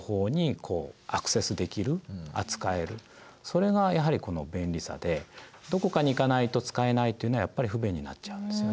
それがやはりこの便利さでどこかに行かないと使えないっていうのはやっぱり不便になっちゃうんですよね。